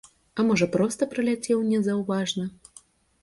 А можа проста праляцеў незаўважна.